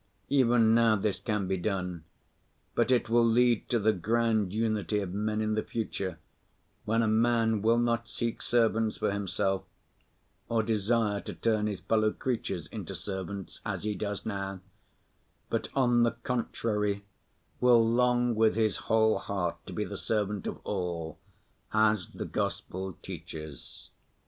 Even now this can be done, but it will lead to the grand unity of men in the future, when a man will not seek servants for himself, or desire to turn his fellow creatures into servants as he does now, but on the contrary, will long with his whole heart to be the servant of all, as the Gospel teaches.